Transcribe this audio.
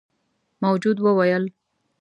موجود وويل: